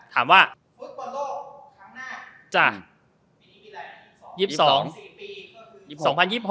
ถามว่าฟุตบอลโลกครั้งหน้าทีนี้เป็นไหน๒๒ปี